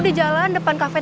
biar waren no mengasi